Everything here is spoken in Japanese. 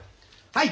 はい！